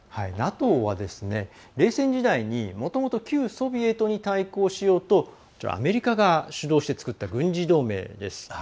ＮＡＴＯは冷戦時代にもともと旧ソビエトに対抗しようとアメリカが主導して作った軍事同盟です。